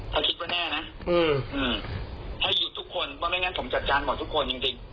ไม่มาดำเนินคดีแต่แถวนี้หรอก